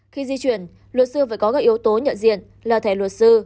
khi di chuyển luật sư phải có các yếu tố nhận diện là thẻ luật sư